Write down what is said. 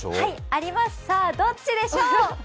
あります、さあ、どっちでしょう？